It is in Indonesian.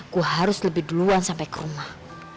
gue harus lebih duluan sampe ke rumah